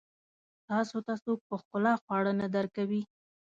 تاسو ته څوک په ښکلا خواړه نه درکوي.